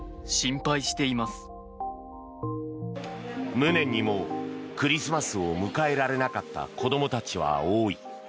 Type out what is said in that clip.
無念にもクリスマスを迎えられなかった子供たちは多い。